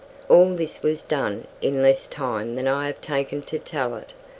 All this was done in less time than I have taken to tell it.